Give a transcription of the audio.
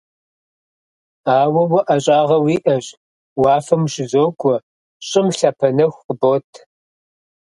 Ауэ уэ ӏэщӏагъэ уиӏэщ: уафэм ущызокӏуэ, щӏым лъапэ нэху къыбот.